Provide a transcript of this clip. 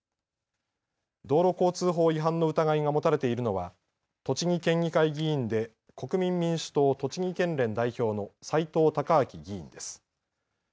道路交通法違反の疑いが持たれているのは栃木県議会議員で国民民主党栃木県連代表の斉藤孝明議員です。